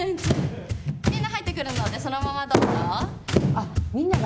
みんな入ってくるのでそのままどうぞ。